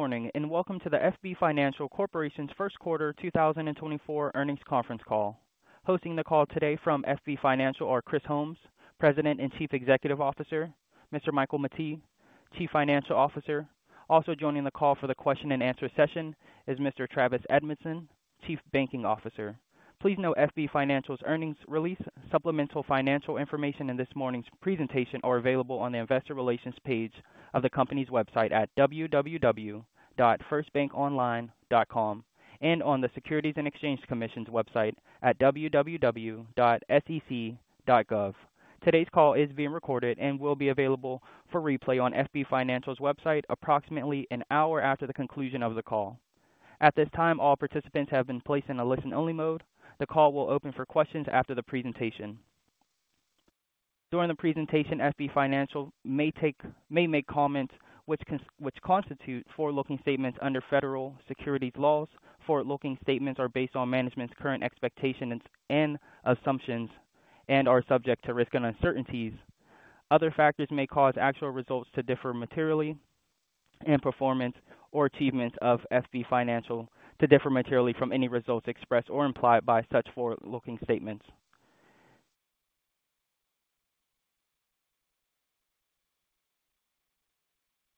Good morning and welcome to the FB Financial Corporation's first quarter 2024 earnings conference call. Hosting the call today from FB Financial are Chris Holmes, President and Chief Executive Officer, Mr. Michael Mettee, Chief Financial Officer. Also joining the call for the question-and-answer session is Mr. Travis Edmondson, Chief Banking Officer. Please note FB Financial's earnings release supplemental financial information in this morning's presentation is available on the Investor Relations page of the company's website at www.firstbankonline.com and on the Securities and Exchange Commission's website at www.sec.gov. Today's call is being recorded and will be available for replay on FB Financial's website approximately an hour after the conclusion of the call. At this time, all participants have been placed in a listen-only mode. The call will open for questions after the presentation. During the presentation, FB Financial may make comments which constitute forward-looking statements under federal securities laws. Forward-looking statements are based on management's current expectations and assumptions and are subject to risks and uncertainties. Other factors may cause actual results to differ materially and performance or achievements of FB Financial to differ materially from any results expressed or implied by such forward-looking statements.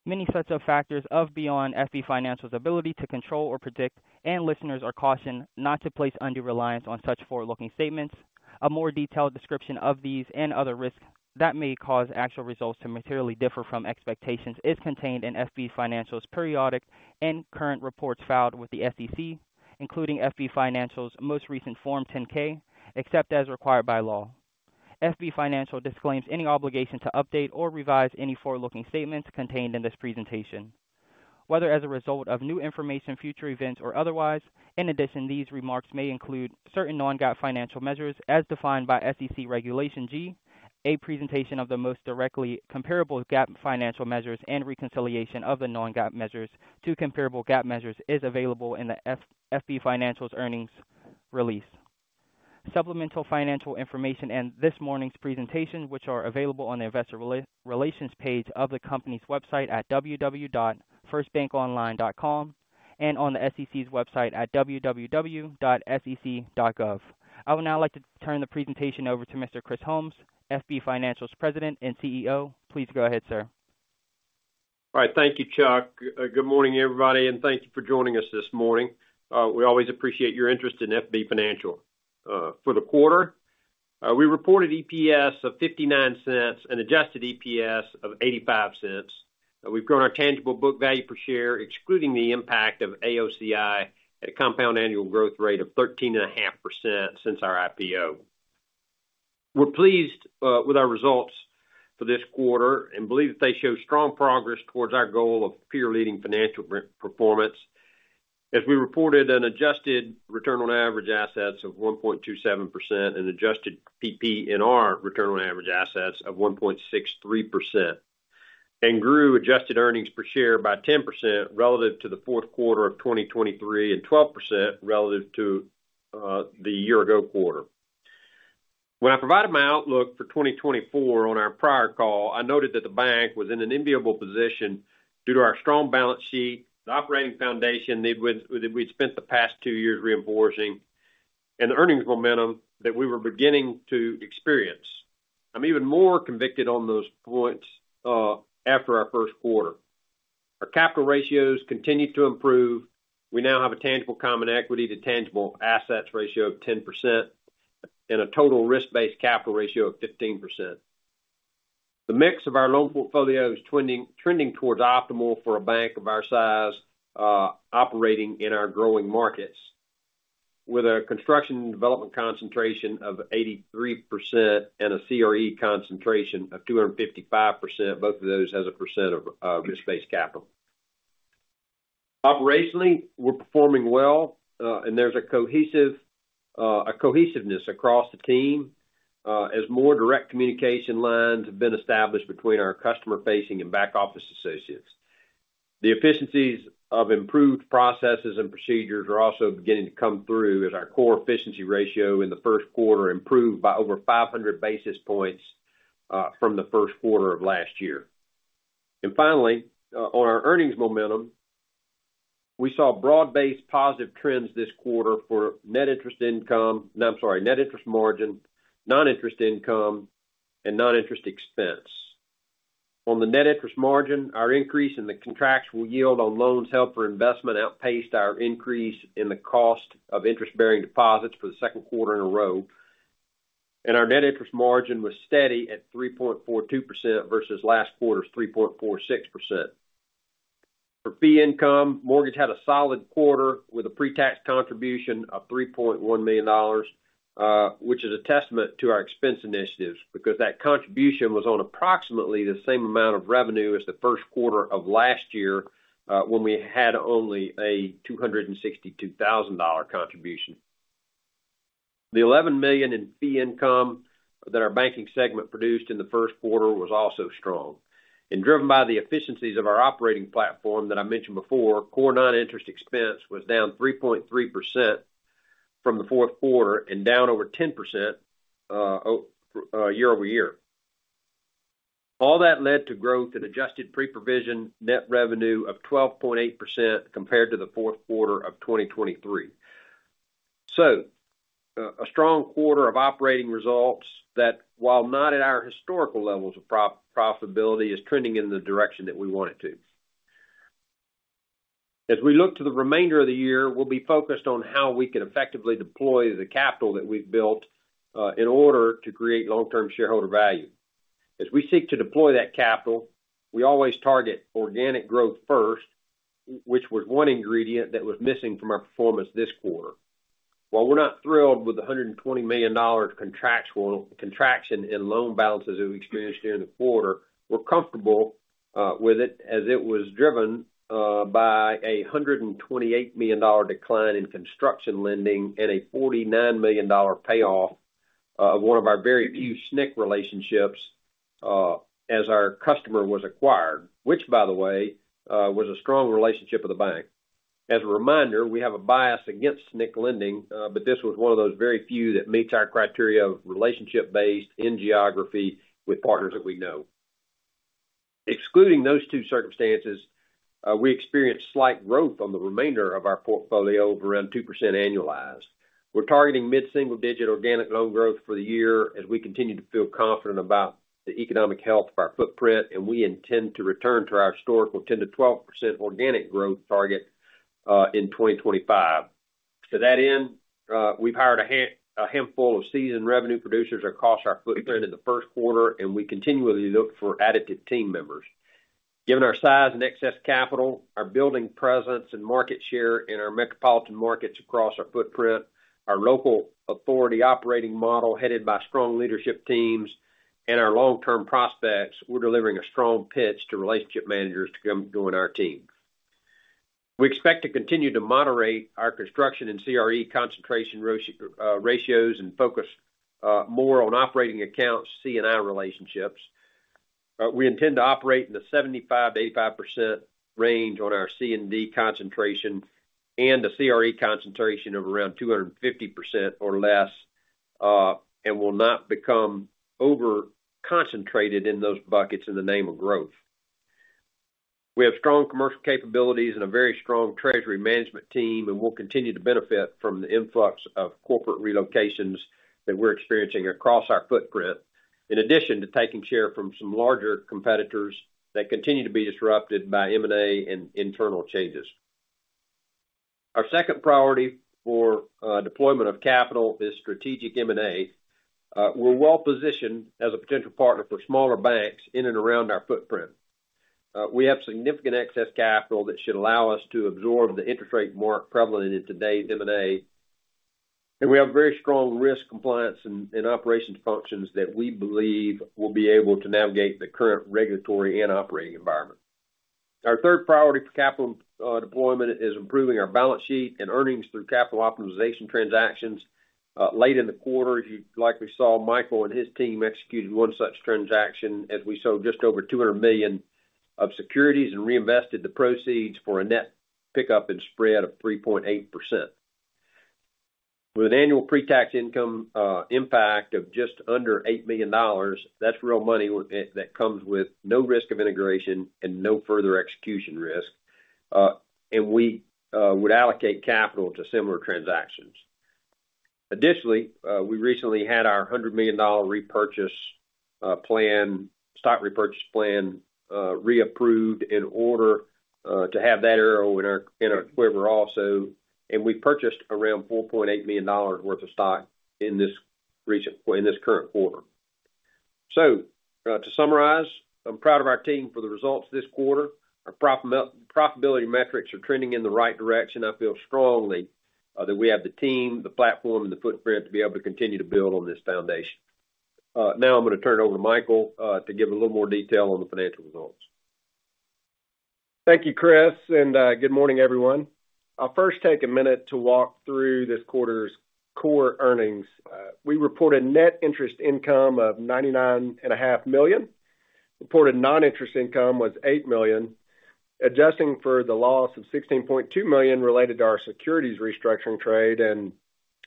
Many such factors are beyond FB Financial's ability to control or predict, and listeners are cautioned not to place undue reliance on such forward-looking statements. A more detailed description of these and other risks that may cause actual results to materially differ from expectations is contained in FB Financial's periodic and current reports filed with the SEC, including FB Financial's most recent Form 10-K, except as required by law. FB Financial disclaims any obligation to update or revise any forward-looking statements contained in this presentation. Whether as a result of new information, future events, or otherwise, in addition, these remarks may include certain non-GAAP financial measures as defined by SEC Regulation G. A presentation of the most directly comparable GAAP financial measures and reconciliation of the non-GAAP measures to comparable GAAP measures is available in the FB Financial's earnings release. Supplemental financial information in this morning's presentation, which are available on the Investor Relations page of the company's website at www.firstbankonline.com and on the SEC's website at www.sec.gov. I would now like to turn the presentation over to Mr. Chris Holmes, FB Financial's President and CEO. Please go ahead, sir. All right. Thank you, Chuck. Good morning, everybody, and thank you for joining us this morning. We always appreciate your interest in FB Financial. For the quarter, we reported EPS of $0.59 and Adjusted EPS of $0.85. We've grown our tangible book value per share, excluding the impact of AOCI, at a compound annual growth rate of 13.5% since our IPO. We're pleased with our results for this quarter and believe that they show strong progress towards our goal of peer-leading financial performance. As we reported, an adjusted return on average assets of 1.27% and Adjusted PPNR/ROAA of 1.63% and grew adjusted earnings per share by 10% relative to the fourth quarter of 2023 and 12% relative to the year-ago quarter. When I provided my outlook for 2024 on our prior call, I noted that the bank was in an enviable position due to our strong balance sheet, the operating foundation that we'd spent the past 2 years reinforcing, and the earnings momentum that we were beginning to experience. I'm even more convicted on those points after our first quarter. Our capital ratios continue to improve. We now have a tangible common equity to tangible assets ratio of 10% and a total risk-based capital ratio of 15%. The mix of our loan portfolio is trending towards optimal for a bank of our size operating in our growing markets, with a construction and development concentration of 83% and a CRE concentration of 255%, both of those as a percent of risk-based capital. Operationally, we're performing well, and there's a cohesiveness across the team as more direct communication lines have been established between our customer-facing and back-office associates. The efficiencies of improved processes and procedures are also beginning to come through as our core efficiency ratio in the first quarter improved by over 500 basis points from the first quarter of last year. Finally, on our earnings momentum, we saw broad-based positive trends this quarter for net interest income. I'm sorry, net interest margin, non-interest income, and non-interest expense. On the net interest margin, our increase in the contractual yield on loans held for investment outpaced our increase in the cost of interest-bearing deposits for the second quarter in a row. Our net interest margin was steady at 3.42% versus last quarter's 3.46%. For fee income, mortgage had a solid quarter with a pre-tax contribution of $3.1 million, which is a testament to our expense initiatives because that contribution was on approximately the same amount of revenue as the first quarter of last year when we had only a $262,000 contribution. The $11 million in fee income that our banking segment produced in the first quarter was also strong. And driven by the efficiencies of our operating platform that I mentioned before, core non-interest expense was down 3.3% from the fourth quarter and down over 10% year-over-year. All that led to growth in adjusted pre-provision net revenue of 12.8% compared to the fourth quarter of 2023. So a strong quarter of operating results that, while not at our historical levels of profitability, is trending in the direction that we want it to. As we look to the remainder of the year, we'll be focused on how we can effectively deploy the capital that we've built in order to create long-term shareholder value. As we seek to deploy that capital, we always target organic growth first, which was one ingredient that was missing from our performance this quarter. While we're not thrilled with the $120 million contraction in loan balances we've experienced during the quarter, we're comfortable with it as it was driven by a $128 million decline in construction lending and a $49 million payoff of one of our very few SNC relationships as our customer was acquired, which, by the way, was a strong relationship with the bank. As a reminder, we have a bias against SNC lending, but this was one of those very few that meets our criteria of relationship-based in geography with partners that we know. Excluding those two circumstances, we experienced slight growth on the remainder of our portfolio of around 2% annualized. We're targeting mid-single-digit organic loan growth for the year as we continue to feel confident about the economic health of our footprint, and we intend to return to our historical 10%-12% organic growth target in 2025. To that end, we've hired a handful of seasoned revenue producers across our footprint in the first quarter, and we continually look for additive team members. Given our size and excess capital, our building presence and market share in our metropolitan markets across our footprint, our local authority operating model headed by strong leadership teams, and our long-term prospects, we're delivering a strong pitch to relationship managers to come join our team. We expect to continue to moderate our construction and CRE concentration ratios and focus more on operating accounts C&I relationships. We intend to operate in the 75%-85% range on our C&D concentration and a CRE concentration of around 250% or less and will not become over-concentrated in those buckets in the name of growth. We have strong commercial capabilities and a very strong treasury management team, and we'll continue to benefit from the influx of corporate relocations that we're experiencing across our footprint, in addition to taking share from some larger competitors that continue to be disrupted by M&A and internal changes. Our second priority for deployment of capital is strategic M&A. We're well-positioned as a potential partner for smaller banks in and around our footprint. We have significant excess capital that should allow us to absorb the interest rate mark prevalent in today's M&A, and we have very strong risk compliance and operations functions that we believe will be able to navigate the current regulatory and operating environment. Our third priority for capital deployment is improving our balance sheet and earnings through capital optimization transactions. Late in the quarter, you likely saw Michael and his team executing one such transaction as we sold just over $200 million of securities and reinvested the proceeds for a net pickup and spread of 3.8%. With an annual pre-tax income impact of just under $8 million, that's real money that comes with no risk of integration and no further execution risk, and we would allocate capital to similar transactions. Additionally, we recently had our $100 million stock repurchase plan reapproved in order to have that arrow in our quiver also, and we purchased around $4.8 million worth of stock in this current quarter. To summarize, I'm proud of our team for the results this quarter. Our profitability metrics are trending in the right direction. I feel strongly that we have the team, the platform, and the footprint to be able to continue to build on this foundation. Now I'm going to turn it over to Michael to give a little more detail on the financial results. Thank you, Chris, and good morning, everyone. I'll first take a minute to walk through this quarter's core earnings. We reported net interest income of $99.5 million. Reported non-interest income was $8 million, adjusting for the loss of $16.2 million related to our securities restructuring trade and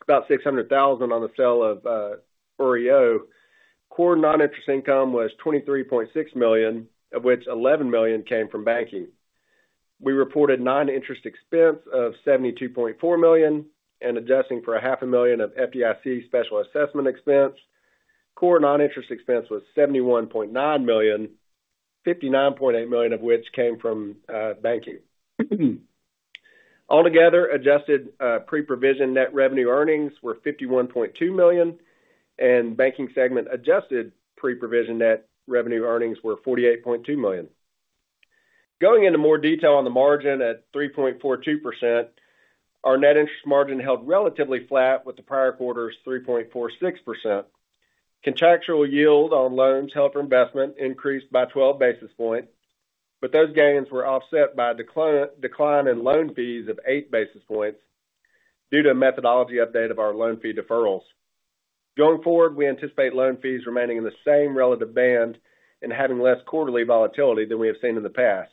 about $600,000 on the sale of REO. Core non-interest income was $23.6 million, of which $11 million came from banking. We reported non-interest expense of $72.4 million, and adjusting for $500,000 of FDIC special assessment expense, core non-interest expense was $71.9 million, $59.8 million of which came from banking. Altogether, adjusted pre-provision net revenue earnings were $51.2 million, and banking segment adjusted pre-provision net revenue earnings were $48.2 million. Going into more detail on the margin at 3.42%, our net interest margin held relatively flat with the prior quarter's 3.46%. Contractual yield on loans held for investment increased by 12 basis points, but those gains were offset by a decline in loan fees of 8 basis points due to a methodology update of our loan fee deferrals. Going forward, we anticipate loan fees remaining in the same relative band and having less quarterly volatility than we have seen in the past.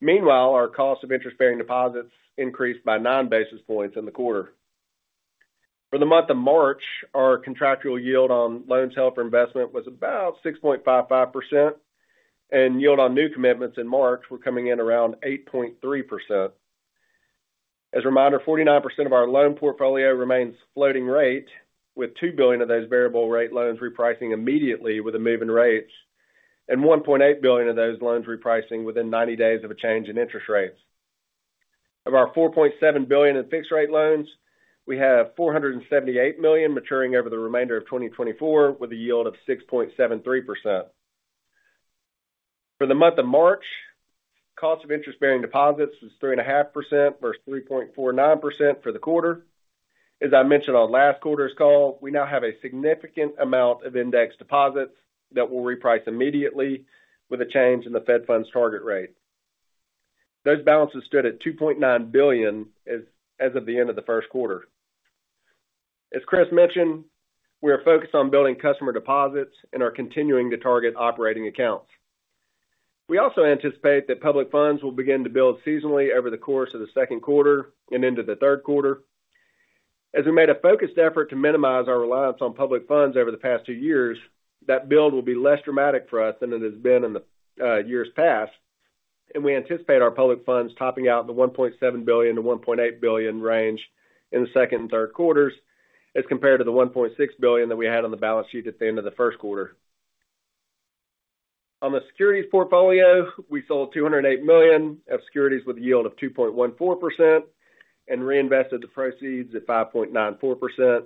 Meanwhile, our cost of interest-bearing deposits increased by 9 basis points in the quarter. For the month of March, our contractual yield on loans held for investment was about 6.55%, and yield on new commitments in March were coming in around 8.3%. As a reminder, 49% of our loan portfolio remains floating rate, with $2 billion of those variable rate loans repricing immediately with a move in rates and $1.8 billion of those loans repricing within 90 days of a change in interest rates. Of our $4.7 billion in fixed rate loans, we have $478 million maturing over the remainder of 2024 with a yield of 6.73%. For the month of March, cost of interest-bearing deposits was 3.5% vs. 3.49% for the quarter. As I mentioned on last quarter's call, we now have a significant amount of index deposits that will reprice immediately with a change in the Fed Funds target rate. Those balances stood at $2.9 billion as of the end of the first quarter. As Chris mentioned, we are focused on building customer deposits and are continuing to target operating accounts. We also anticipate that public funds will begin to build seasonally over the course of the second quarter and into the third quarter. As we made a focused effort to minimize our reliance on public funds over the past two years, that build will be less dramatic for us than it has been in the years past, and we anticipate our public funds topping out the $1.7 billion-$1.8 billion range in the second and third quarters as compared to the $1.6 billion that we had on the balance sheet at the end of the first quarter. On the securities portfolio, we sold $208 million of securities with a yield of 2.14% and reinvested the proceeds at 5.94%,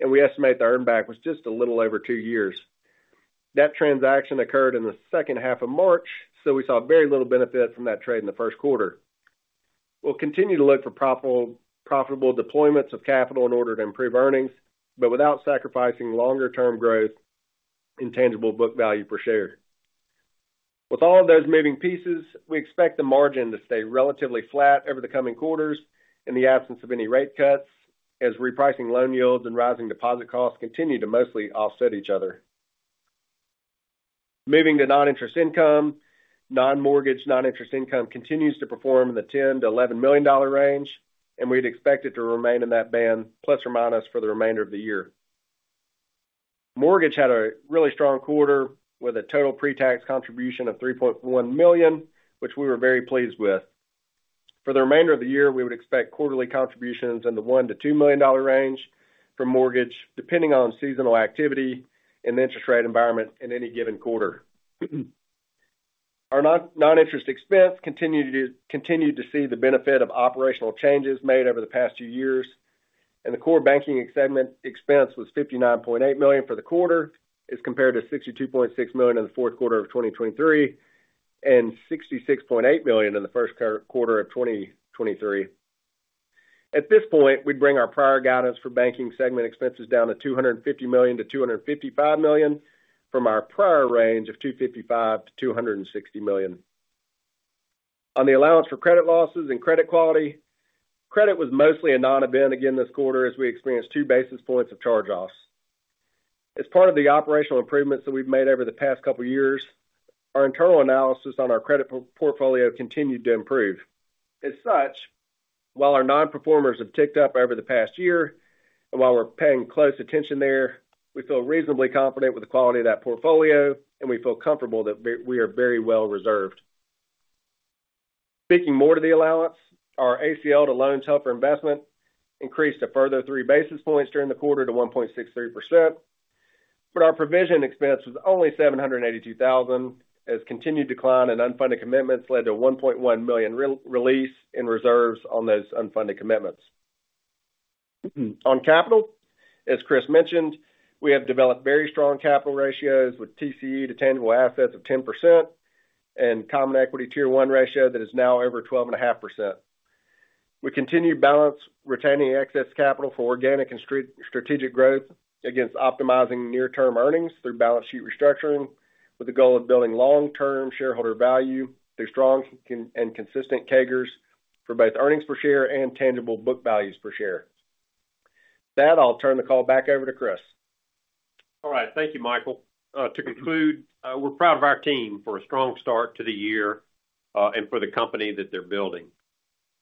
and we estimate the earnback was just a little over two years. That transaction occurred in the second half of March, so we saw very little benefit from that trade in the first quarter. We'll continue to look for profitable deployments of capital in order to improve earnings, but without sacrificing longer-term growth in tangible book value per share. With all of those moving pieces, we expect the margin to stay relatively flat over the coming quarters in the absence of any rate cuts as repricing loan yields and rising deposit costs continue to mostly offset each other. Moving to non-interest income, non-mortgage non-interest income continues to perform in the $10 million-$11 million range, and we'd expect it to remain in that band plus or minus for the remainder of the year. Mortgage had a really strong quarter with a total pre-tax contribution of $3.1 million, which we were very pleased with. For the remainder of the year, we would expect quarterly contributions in the $1 million-$2 million range for mortgage, depending on seasonal activity and the interest rate environment in any given quarter. Our non-interest expense continued to see the benefit of operational changes made over the past two years, and the core banking segment expense was $59.8 million for the quarter as compared to $62.6 million in the fourth quarter of 2023 and $66.8 million in the first quarter of 2023. At this point, we'd bring our prior guidance for banking segment expenses down to $250 million-$255 million from our prior range of $255 million-$260 million. On the allowance for credit losses and credit quality, credit was mostly a non-event again this quarter as we experienced two basis points of charge-offs. As part of the operational improvements that we've made over the past couple of years, our internal analysis on our credit portfolio continued to improve. As such, while our non-performers have ticked up over the past year and while we're paying close attention there, we feel reasonably confident with the quality of that portfolio, and we feel comfortable that we are very well reserved. Speaking more to the allowance, our ACL to loans held for investment increased a further three basis points during the quarter to 1.63%, but our provision expense was only $782,000 as continued decline in unfunded commitments led to a $1.1 million release in reserves on those unfunded commitments. On capital, as Chris mentioned, we have developed very strong capital ratios with TCE to tangible assets of 10% and common equity tier one ratio that is now over 12.5%. We continue balancing retaining excess capital for organic and strategic growth against optimizing near-term earnings through balance sheet restructuring with the goal of building long-term shareholder value through strong and consistent CAGRs for both earnings per share and tangible book values per share. That'll turn the call back over to Chris. All right. Thank you, Michael. To conclude, we're proud of our team for a strong start to the year and for the company that they're building.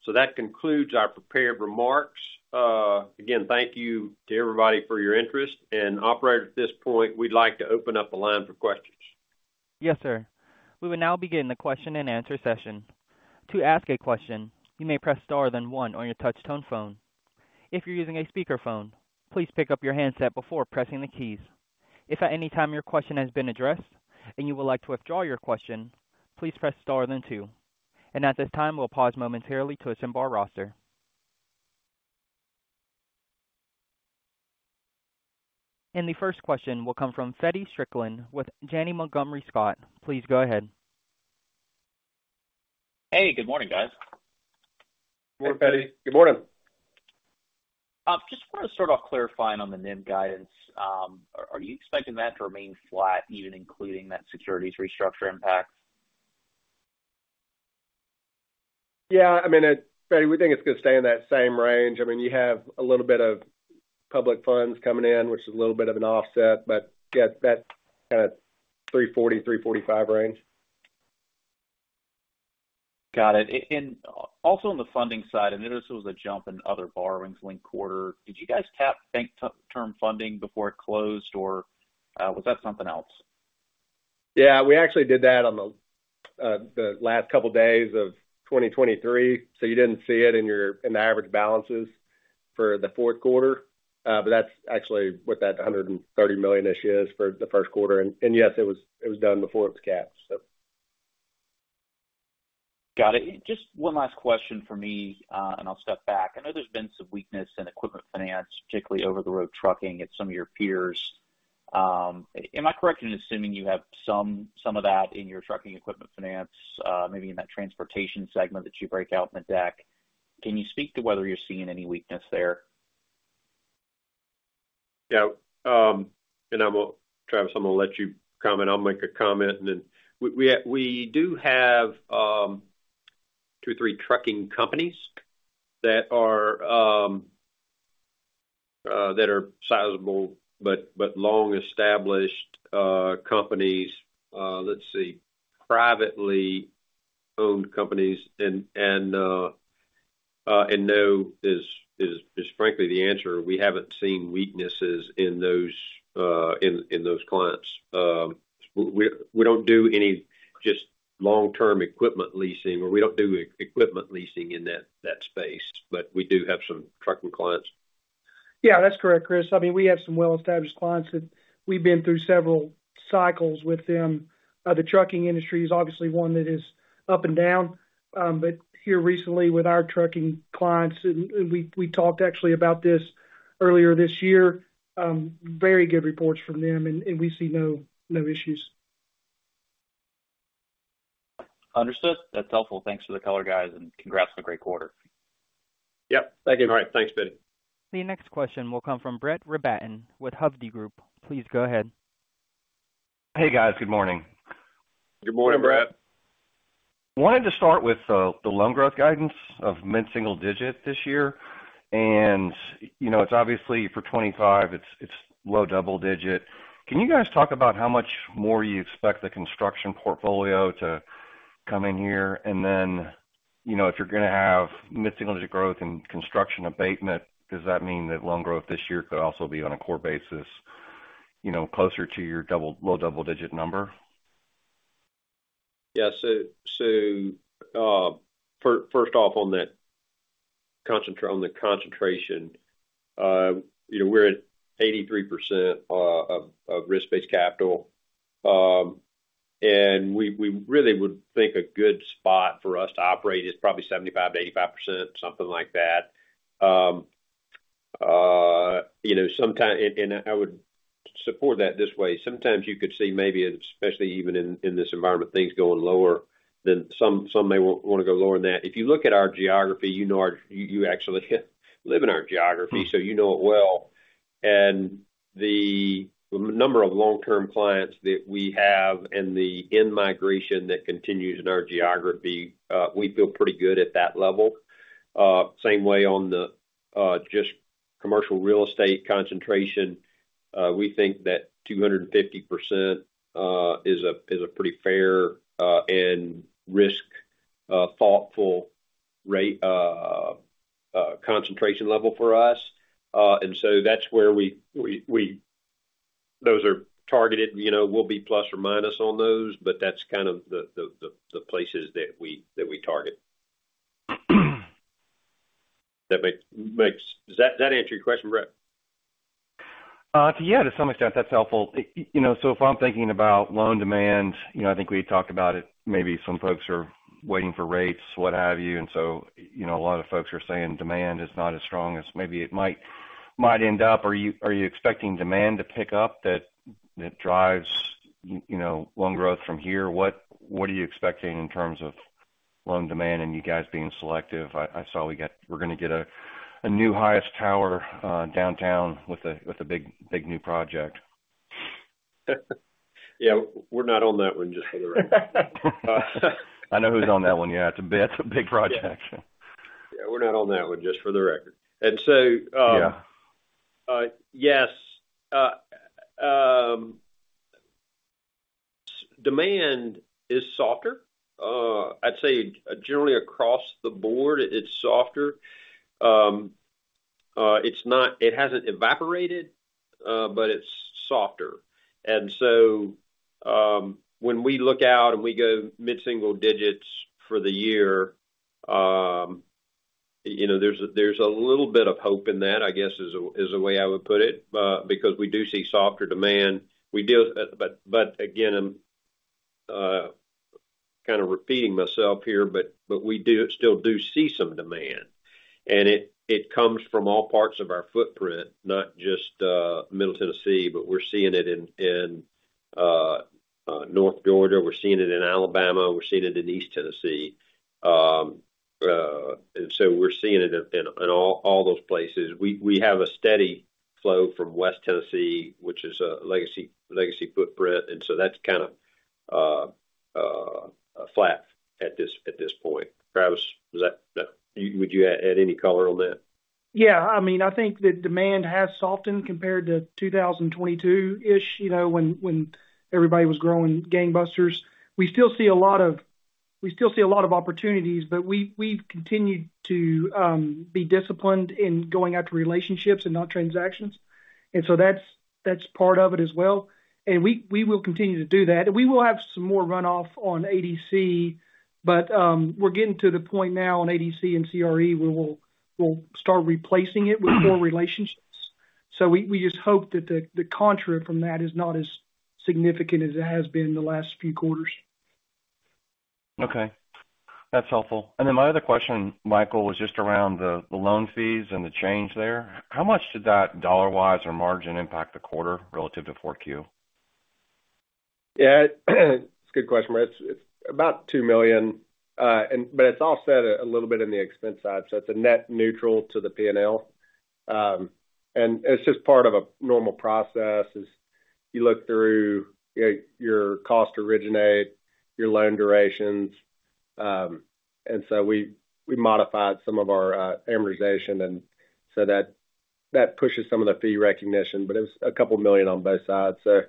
So that concludes our prepared remarks. Again, thank you to everybody for your interest, and operators, at this point, we'd like to open up the line for questions. Yes, sir. We will now begin the question and answer session. To ask a question, you may press star, then one on your touch tone phone. If you're using a speakerphone, please pick up your handset before pressing the keys. If at any time your question has been addressed and you would like to withdraw your question, please press star, then two. At this time, we'll pause momentarily to assemble our roster. The first question will come from Feddie Strickland with Janney Montgomery Scott. Please go ahead. Hey. Good morning, guys. Morning, Feddie. Good morning. Just want to start off clarifying on the NIM guidance. Are you expecting that to remain flat even including that securities restructure impact? Yeah. I mean, Feddie, we think it's going to stay in that same range. I mean, you have a little bit of public funds coming in, which is a little bit of an offset, but yeah, that kind of 340-345 range. Got it. And also on the funding side, I noticed there was a jump in other borrowings linked quarter. Did you guys tap Bank Term Funding before it closed, or was that something else? Yeah. We actually did that on the last couple of days of 2023, so you didn't see it in the average balances for the fourth quarter, but that's actually what that $130 million-ish is for the first quarter. And yes, it was done before it was capped, so. Got it. Just one last question for me, and I'll step back. I know there's been some weakness in equipment finance, particularly over-the-road trucking at some of your peers. Am I correct in assuming you have some of that in your trucking equipment finance, maybe in that transportation segment that you break out in the deck? Can you speak to whether you're seeing any weakness there? Yeah. And Travis, I'm going to let you comment. I'll make a comment, and then we do have two or three trucking companies that are sizable but long-established companies. Let's see. Privately owned companies. And no, is frankly the answer. We haven't seen weaknesses in those clients. We don't do any just long-term equipment leasing, or we don't do equipment leasing in that space, but we do have some trucking clients. Yeah, that's correct, Chris. I mean, we have some well-established clients. We've been through several cycles with them. The trucking industry is obviously one that is up and down. But here recently with our trucking clients - and we talked actually about this earlier this year - very good reports from them, and we see no issues. Understood. That's helpful. Thanks to the color guys, and congrats on a great quarter. Yep. Thank you. All right. Thanks, Feddie. The next question will come from Brett Rabatin with Hovde Group. Please go ahead. Hey, guys. Good morning. Good morning, Brett. Wanted to start with the loan growth guidance of mid-single digit this year. It's obviously for 2025, it's low double digit. Can you guys talk about how much more you expect the construction portfolio to come in here? And then if you're going to have mid-single digit growth and construction abatement, does that mean that loan growth this year could also be on a core basis closer to your low double digit number? Yeah. So first off, on the concentration, we're at 83% of risk-based capital. And we really would think a good spot for us to operate is probably 75%-85%, something like that. And I would support that this way. Sometimes you could see maybe, especially even in this environment, things going lower than some may want to go lower than that. If you look at our geography, you actually live in our geography, so you know it well. And the number of long-term clients that we have and the in-migration that continues in our geography, we feel pretty good at that level. Same way on the just commercial real estate concentration. We think that 250% is a pretty fair and risk-thoughtful concentration level for us. And so that's where those are targeted. We'll be plus or minus on those, but that's kind of the places that we target. Does that answer your question, Brett? Yeah, to some extent, that's helpful. So if I'm thinking about loan demand, I think we had talked about it. Maybe some folks are waiting for rates, what have you. And so a lot of folks are saying demand is not as strong as maybe it might end up. Are you expecting demand to pick up that drives loan growth from here? What are you expecting in terms of loan demand and you guys being selective? I saw we're going to get a new highest tower downtown with a big new project. Yeah. We're not on that one just for the record. I know who's on that one. Yeah, it's a big project. Yeah. We're not on that one just for the record. Yes, demand is softer. I'd say generally across the board, it's softer. It hasn't evaporated, but it's softer. When we look out and we go mid-single digits for the year, there's a little bit of hope in that, I guess, is the way I would put it because we do see softer demand. But again, I'm kind of repeating myself here, but we still do see some demand. It comes from all parts of our footprint, not just Middle Tennessee, but we're seeing it in North Georgia. We're seeing it in Alabama. We're seeing it in East Tennessee. We're seeing it in all those places. We have a steady flow from West Tennessee, which is a legacy footprint. That's kind of flat at this point. Travis, would you add any color on that? Yeah. I mean, I think that demand has softened compared to 2022-ish when everybody was growing gangbusters. We still see a lot of opportunities, but we've continued to be disciplined in going after relationships and not transactions. And so that's part of it as well. And we will continue to do that. And we will have some more runoff on ADC, but we're getting to the point now on ADC and CRE where we'll start replacing it with core relationships. So we just hope that the contra from that is not as significant as it has been the last few quarters. Okay. That's helpful. And then my other question, Michael, was just around the loan fees and the change there. How much did that dollar-wise or margin impact the quarter relative to 4Q? Yeah. It's a good question, Brett. It's about $2 million, but it's offset a little bit in the expense side. So it's a net neutral to the P&L. And it's just part of a normal process is you look through your cost originate, your loan durations. And so we modified some of our amortization, and so that pushes some of the fee recognition. But it was a couple of million on both sides. So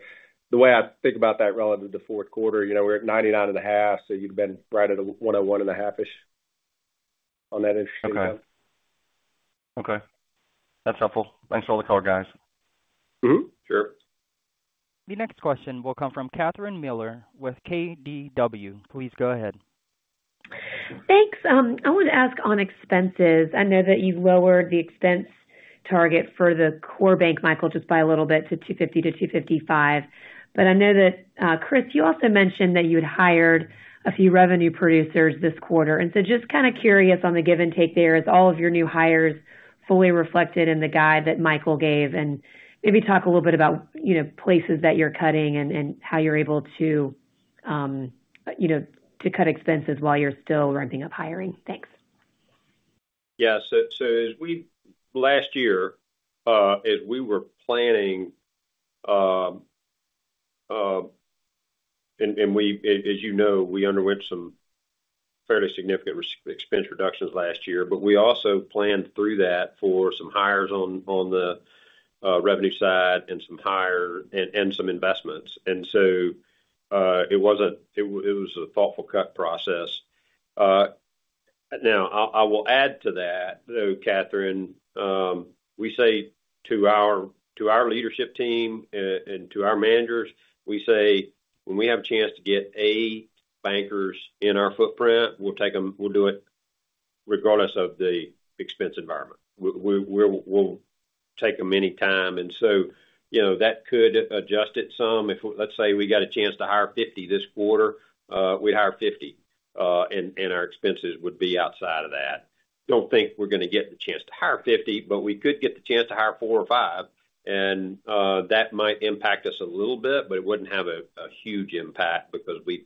the way I think about that relative to fourth quarter, we're at 99.5, so you'd have been right at a 101.5-ish on that interest rate amount. Okay. That's helpful. Thanks to all the color guys. Sure. The next question will come from Catherine Mealor with KBW. Please go ahead. Thanks. I wanted to ask on expenses. I know that you've lowered the expense target for the core bank, Michael, just by a little bit to $250-$255. But I know that, Chris, you also mentioned that you had hired a few revenue producers this quarter. And so just kind of curious on the give and take there, is all of your new hires fully reflected in the guide that Michael gave? And maybe talk a little bit about places that you're cutting and how you're able to cut expenses while you're still ramping up hiring. Thanks. Yeah. So last year, as we were planning and as you know, we underwent some fairly significant expense reductions last year, but we also planned through that for some hires on the revenue side and some higher and some investments. And so it was a thoughtful cut process. Now, I will add to that, though, Catherine, we say to our leadership team and to our managers, we say when we have a chance to get A bankers in our footprint, we'll do it regardless of the expense environment. We'll take them anytime. And so that could adjust it some. Let's say we got a chance to hire 50 this quarter. We'd hire 50, and our expenses would be outside of that. Don't think we're going to get the chance to hire 50, but we could get the chance to hire four or five. That might impact us a little bit, but it wouldn't have a huge impact because we've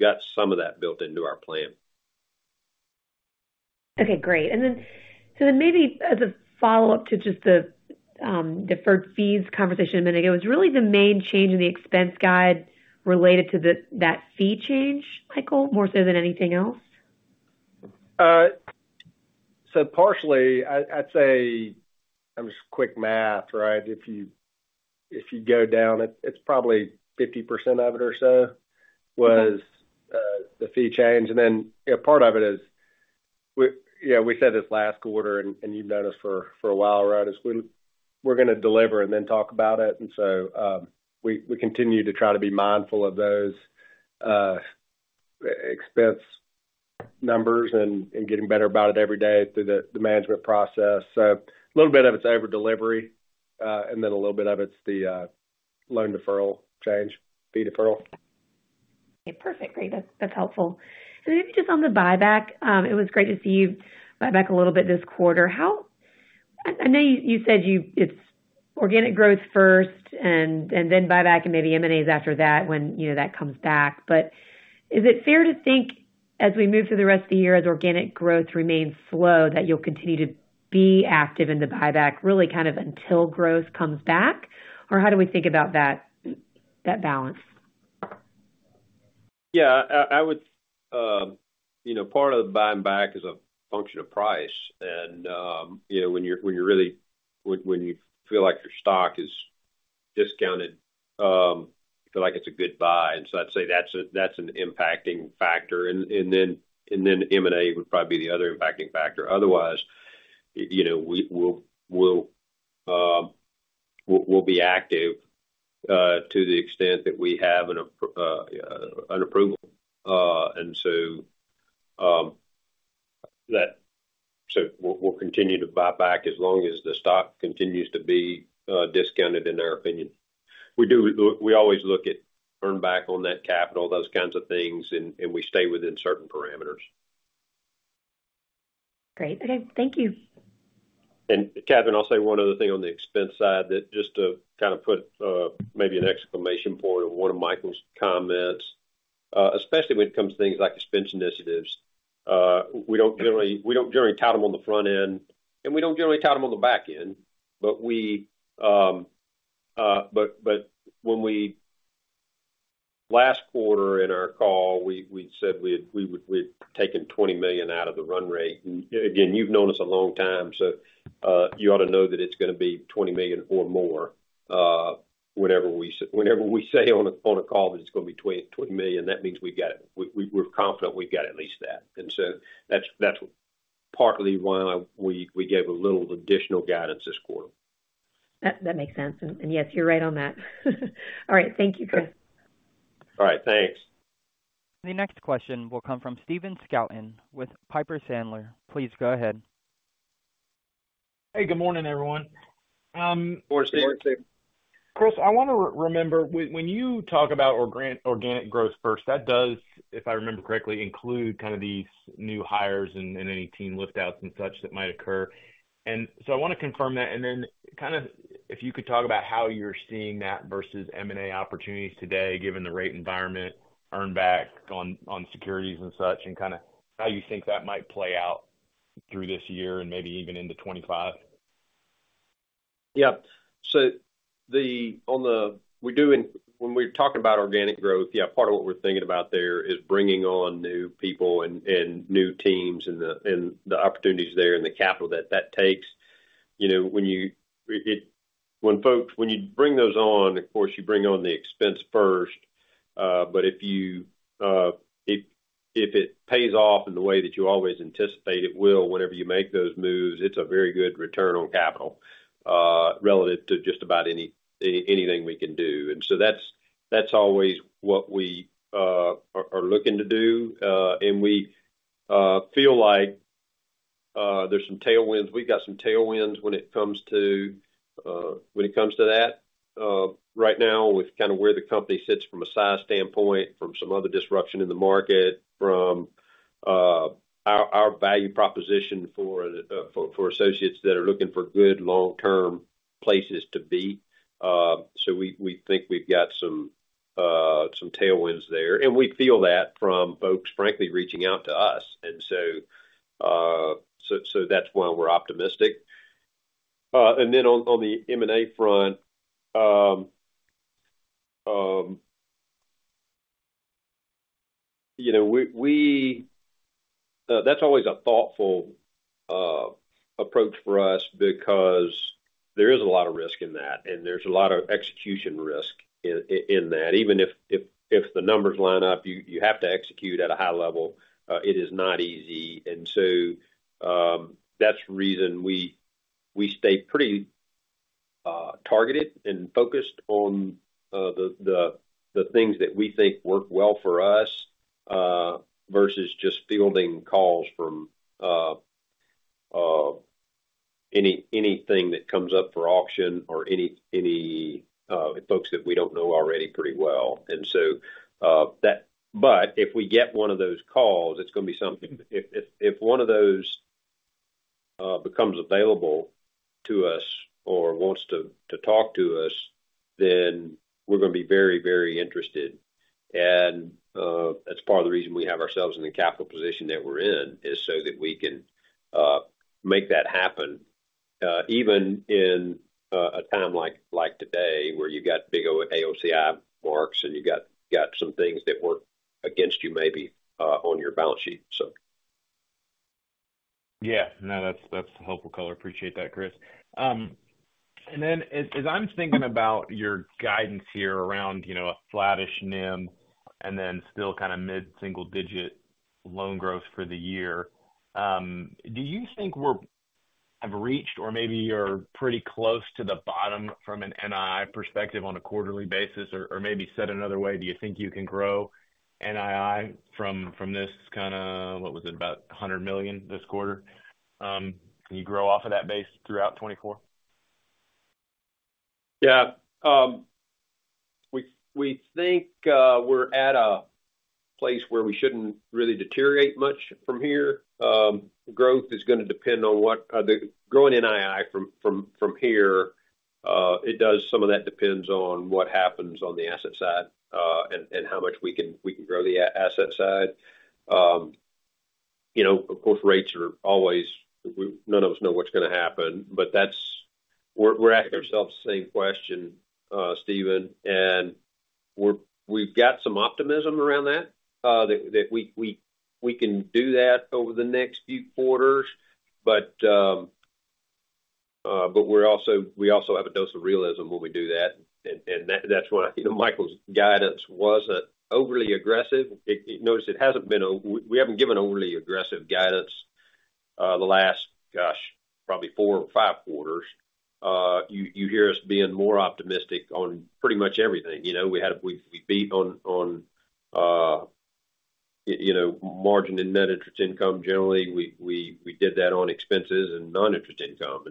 got some of that built into our plan. Okay. Great. And then maybe as a follow-up to just the deferred fees conversation a minute ago, is really the main change in the expense guide related to that fee change, Michael, more so than anything else? So partially, I'd say I'm just quick math, right? If you go down, it's probably 50% of it or so was the fee change. And then part of it is we said this last quarter, and you've noticed for a while, right, is we're going to deliver and then talk about it. And so we continue to try to be mindful of those expense numbers and getting better about it every day through the management process. So a little bit of it's overdelivery, and then a little bit of it's the loan deferral change, fee deferral. Okay. Perfect. Great. That's helpful. And then maybe just on the buyback, it was great to see you buyback a little bit this quarter. I know you said it's organic growth first and then buyback and maybe M&As after that when that comes back. But is it fair to think as we move through the rest of the year, as organic growth remains slow, that you'll continue to be active in the buyback really kind of until growth comes back? Or how do we think about that balance? Yeah. Part of the buying back is a function of price. And when you really feel like your stock is discounted, you feel like it's a good buy. And so I'd say that's an impacting factor. And then M&A would probably be the other impacting factor. Otherwise, we'll be active to the extent that we have an approval. And so we'll continue to buy back as long as the stock continues to be discounted, in our opinion. We always look at earnback on that capital, those kinds of things, and we stay within certain parameters. Great. Okay. Thank you. And Katherine, I'll say one other thing on the expense side that just to kind of put maybe an exclamation point on one of Michael's comments, especially when it comes to things like expense initiatives, we don't generally we don't generally tout them on the front end, and we don't generally tout them on the back end. But last quarter in our call, we'd said we'd taken $20 million out of the run rate. And again, you've known us a long time, so you ought to know that it's going to be $20 million or more whenever we say on a call that it's going to be $20 million. That means we've got it. We're confident we've got at least that. And so that's partly why we gave a little additional guidance this quarter. That makes sense. Yes, you're right on that. All right. Thank you, Chris. All right. Thanks. The next question will come from Stephen Scouten with Piper Sandler. Please go ahead. Hey. Good morning, everyone. Morning, Stephen. Chris, I want to remember when you talk about organic growth first, that does, if I remember correctly, include kind of these new hires and any team liftouts and such that might occur. And so I want to confirm that. And then kind of if you could talk about how you're seeing that versus M&A opportunities today, given the rate environment, earnback on securities and such, and kind of how you think that might play out through this year and maybe even into 2025. Yep. So, when we're talking about organic growth, yeah, part of what we're thinking about there is bringing on new people and new teams and the opportunities there and the capital that that takes. When you bring those on, of course, you bring on the expense first. But if it pays off in the way that you always anticipate it will whenever you make those moves, it's a very good return on capital relative to just about anything we can do. And so that's always what we are looking to do. And we feel like there's some tailwinds. We've got some tailwinds when it comes to that right now with kind of where the company sits from a size standpoint, from some other disruption in the market, from our value proposition for associates that are looking for good long-term places to be. So we think we've got some tailwinds there. And we feel that from folks, frankly, reaching out to us. And so that's why we're optimistic. And then on the M&A front, that's always a thoughtful approach for us because there is a lot of risk in that, and there's a lot of execution risk in that. Even if the numbers line up, you have to execute at a high level. It is not easy. And so that's the reason we stay pretty targeted and focused on the things that we think work well for us versus just fielding calls from anything that comes up for auction or any folks that we don't know already pretty well. But if we get one of those calls, it's going to be something if one of those becomes available to us or wants to talk to us, then we're going to be very, very interested. That's part of the reason we have ourselves in the capital position that we're in is so that we can make that happen, even in a time like today where you've got big AOCI marks and you've got some things that work against you maybe on your balance sheet. Yeah. No, that's helpful, Color. Appreciate that, Chris. And then as I'm thinking about your guidance here around a flat-ish NIM and then still kind of mid-single-digit loan growth for the year, do you think we've reached or maybe you're pretty close to the bottom from an NII perspective on a quarterly basis? Or maybe said another way, do you think you can grow NII from this kind of what was it, about $100 million this quarter? Can you grow off of that base throughout 2024? Yeah. We think we're at a place where we shouldn't really deteriorate much from here. Growth is going to depend on what growing NII from here, some of that depends on what happens on the asset side and how much we can grow the asset side. Of course, rates are always none of us know what's going to happen. But we're asking ourselves the same question, Steven. And we've got some optimism around that, that we can do that over the next few quarters. But we also have a dose of realism when we do that. And that's why Michael's guidance wasn't overly aggressive. Notice it hasn't been a we haven't given overly aggressive guidance the last, gosh, probably four or five quarters. You hear us being more optimistic on pretty much everything. We beat on margin and net interest income generally. We did that on expenses and non-interest income.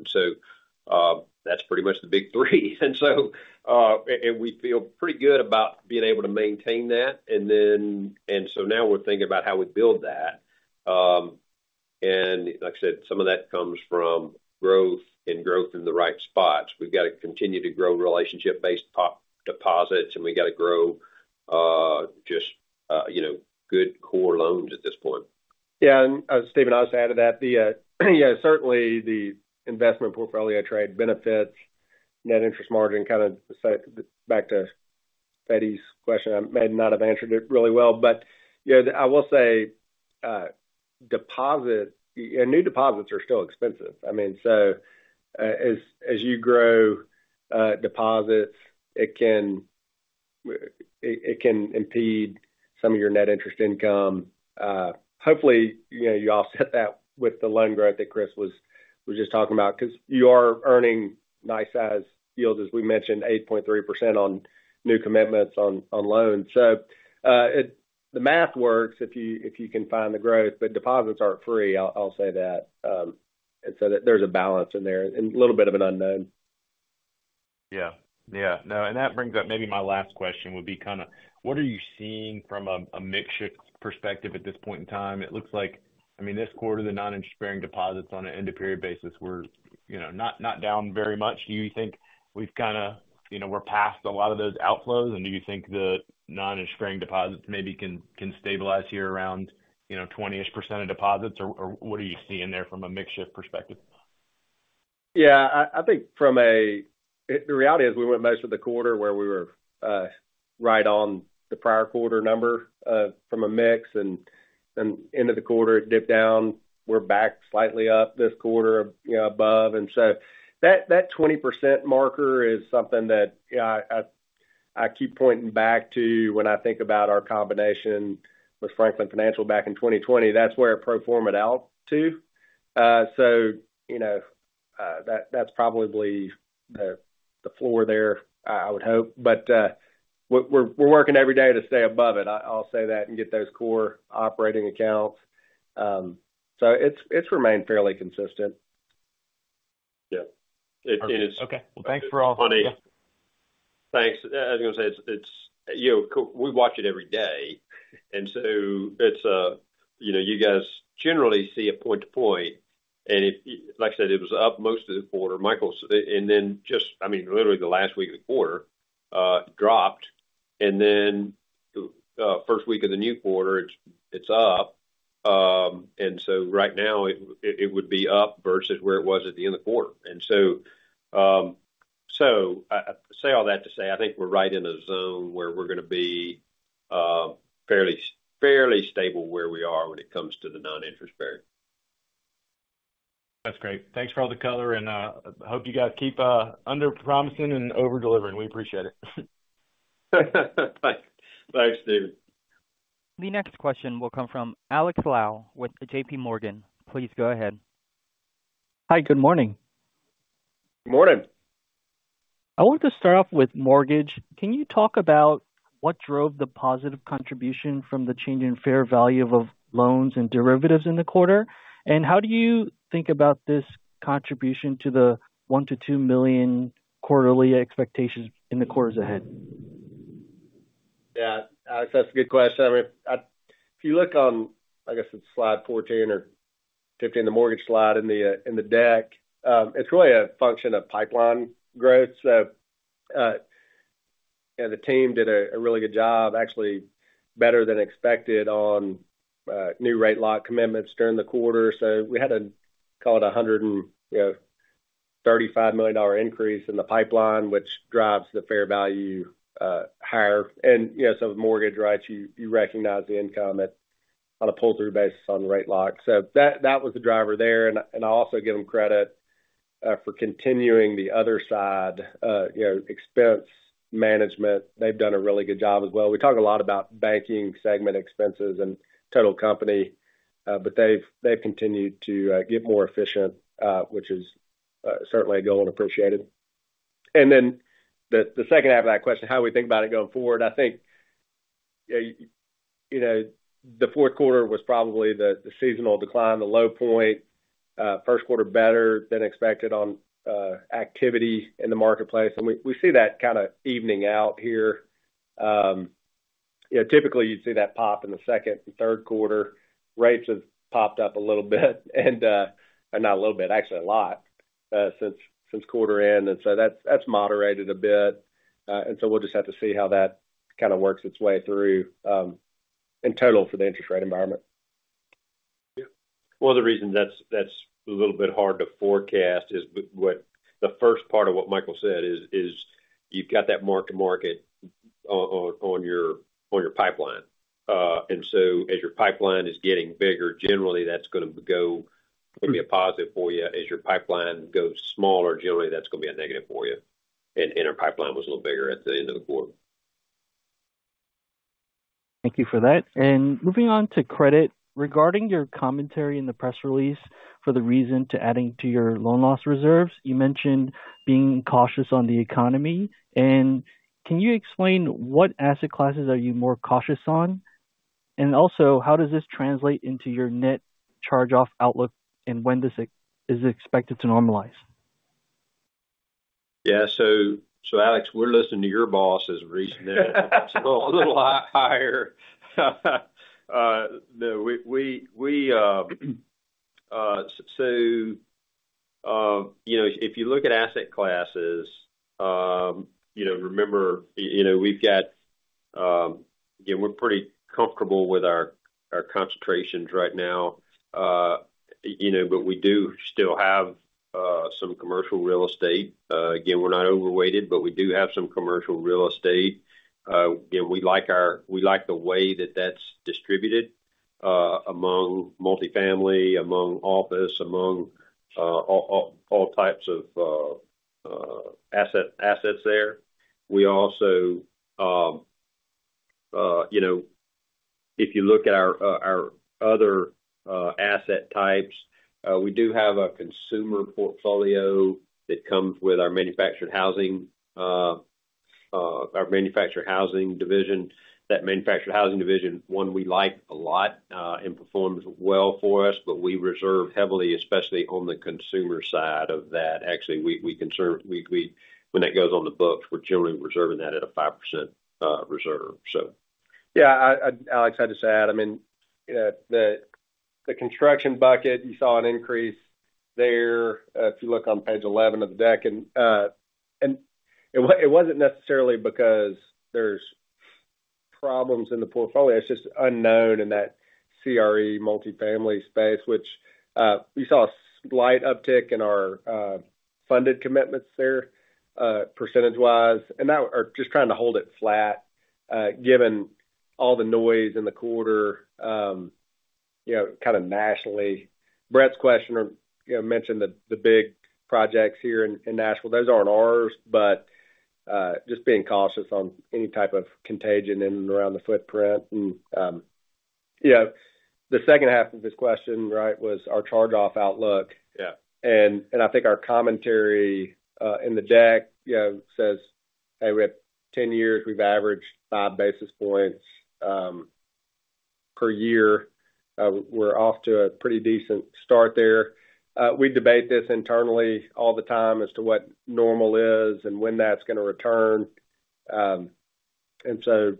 That's pretty much the big three. We feel pretty good about being able to maintain that. Now we're thinking about how we build that. Like I said, some of that comes from growth and growth in the right spots. We've got to continue to grow relationship-based top deposits, and we've got to grow just good core loans at this point. Yeah. And Stephen, I'll just add to that. Yeah, certainly, the investment portfolio trade benefits net interest margin, kind of back to Feddie's question. I may not have answered it really well. But I will say new deposits are still expensive. I mean, so as you grow deposits, it can impede some of your net interest income. Hopefully, you offset that with the loan growth that Chris was just talking about because you are earning nice-sized yields, as we mentioned, 8.3% on new commitments on loans. So the math works if you can find the growth. But deposits aren't free. I'll say that. And so there's a balance in there and a little bit of an unknown. Yeah. Yeah. No. And that brings up maybe my last question would be kind of what are you seeing from a mixture perspective at this point in time? It looks like, I mean, this quarter, the non-interest-bearing deposits on an end-of-period basis were not down very much. Do you think we've kind of, we're past a lot of those outflows? And do you think the non-interest-bearing deposits maybe can stabilize here around 20-ish% of deposits? Or what are you seeing there from a mixture perspective? Yeah. I think from the reality is we went most of the quarter where we were right on the prior quarter number from a mix. And end of the quarter, it dipped down. We're back slightly up this quarter above. And so that 20% marker is something that I keep pointing back to when I think about our combination with Franklin Financial back in 2020. That's where it pro formaed out to. So that's probably the floor there, I would hope. But we're working every day to stay above it. I'll say that and get those core operating accounts. So it's remained fairly consistent. Yeah. Okay. Well, thanks for all. Funny. Thanks. I was going to say, we watch it every day. And so you guys generally see a point-to-point. And like I said, it was up most of the quarter. And then just, I mean, literally the last week of the quarter dropped. And then first week of the new quarter, it's up. And so right now, it would be up versus where it was at the end of the quarter. And so say all that to say, I think we're right in a zone where we're going to be fairly stable where we are when it comes to the non-interest-bearing. That's great. Thanks for all the color. I hope you guys keep under-promising and over-delivering. We appreciate it. Thanks. Thanks, Stephen. The next question will come from Alex Lau with JPMorgan. Please go ahead. Hi. Good morning. Good morning. I wanted to start off with mortgage. Can you talk about what drove the positive contribution from the change in fair value of loans and derivatives in the quarter? And how do you think about this contribution to the $1 million-$2 million quarterly expectations in the quarters ahead? Yeah. Alex, that's a good question. I mean, if you look on, I guess, it's slide 14 or 15, the mortgage slide in the deck, it's really a function of pipeline growth. So the team did a really good job, actually better than expected on new rate-lock commitments during the quarter. So we had a call it a $135 million increase in the pipeline, which drives the fair value higher. And so with mortgage, right, you recognize the income on a pull-through basis on rate lock. So that was the driver there. And I also give them credit for continuing the other side, expense management. They've done a really good job as well. We talk a lot about banking segment expenses and total company, but they've continued to get more efficient, which is certainly a goal and appreciated. And then the second half of that question, how we think about it going forward, I think the fourth quarter was probably the seasonal decline, the low point. First quarter better than expected on activity in the marketplace. And we see that kind of evening out here. Typically, you'd see that pop in the second and third quarter. Rates have popped up a little bit and not a little bit, actually a lot since quarter end. And so that's moderated a bit. And so we'll just have to see how that kind of works its way through in total for the interest rate environment. Yeah. One of the reasons that's a little bit hard to forecast is the first part of what Michael said is you've got that mark-to-market on your pipeline. And so as your pipeline is getting bigger, generally, that's going to go it'll be a positive for you. As your pipeline goes smaller, generally, that's going to be a negative for you. And our pipeline was a little bigger at the end of the quarter. Thank you for that. Moving on to credit, regarding your commentary in the press release for the reason to adding to your loan loss reserves, you mentioned being cautious on the economy. Can you explain what asset classes are you more cautious on? Also, how does this translate into your net charge-off outlook and when is it expected to normalize? Yeah. So Alex, we're listening to your boss's reasoning. So a little higher. So if you look at asset classes, remember, we've got again, we're pretty comfortable with our concentrations right now. But we do still have some commercial real estate. Again, we're not overweighted, but we do have some commercial real estate. Again, we like the way that that's distributed among multifamily, among office, among all types of assets there. We also if you look at our other asset types, we do have a consumer portfolio that comes with our manufactured housing division. That manufactured housing division, one, we like a lot and performs well for us, but we reserve heavily, especially on the consumer side of that. Actually, when that goes on the books, we're generally reserving that at a 5% reserve, so. Yeah. Alex, I'd just add, I mean, the construction bucket, you saw an increase there if you look on page 11 of the deck. And it wasn't necessarily because there's problems in the portfolio. It's just unknown in that CRE multifamily space, which we saw a slight uptick in our funded commitments there percentage-wise. And just trying to hold it flat given all the noise in the quarter kind of nationally. Brett's questioner mentioned the big projects here in Nashville. Those aren't ours, but just being cautious on any type of contagion in and around the footprint. And the second half of his question, right, was our charge-off outlook. And I think our commentary in the deck says, "Hey, we have 10 years. We've averaged 5 basis points per year. We're off to a pretty decent start there. We debate this internally all the time as to what normal is and when that's going to return. And so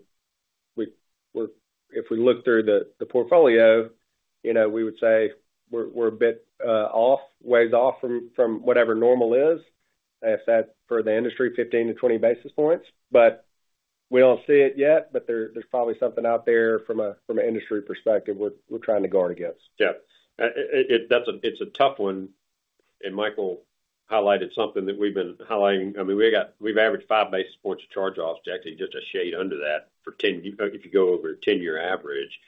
if we look through the portfolio, we would say we're a bit off, ways off from whatever normal is, if that's for the industry, 15-20 basis points. But we don't see it yet, but there's probably something out there from an industry perspective we're trying to guard against. Yeah. It's a tough one. And Michael highlighted something that we've been highlighting. I mean, we've averaged 5 basis points of charge-offs, actually, just a shade under that for 10 if you go over a 10-year average.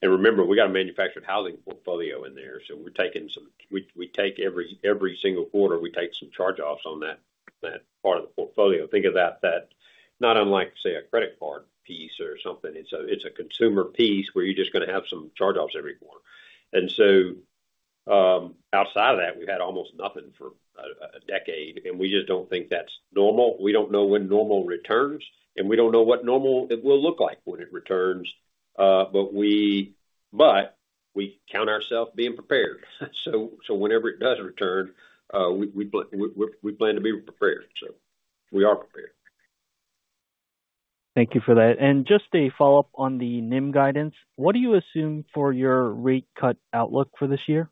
And remember, we got a manufactured housing portfolio in there. So we're taking some we take every single quarter, we take some charge-offs on that part of the portfolio. Think of that not unlike, say, a credit card piece or something. It's a consumer piece where you're just going to have some charge-offs every quarter. And so outside of that, we've had almost nothing for a decade. And we just don't think that's normal. We don't know when normal returns. And we don't know what normal it will look like when it returns. But we count ourselves being prepared. So whenever it does return, we plan to be prepared. So we are prepared. Thank you for that. Just a follow-up on the NIM guidance, what do you assume for your rate cut outlook for this year?